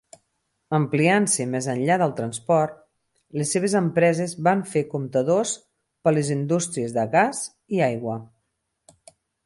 Ampliant-se més enllà del transport, les seves empreses van fer comptadors per a les indústries de gas i aigua.